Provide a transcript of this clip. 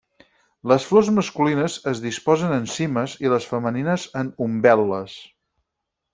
Les flors masculines es disposen en cimes i les femenines en umbel·les.